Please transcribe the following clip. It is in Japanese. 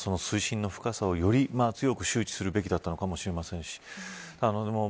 その水深の深さを、より強く周知するべきだったのかもしれませんしでも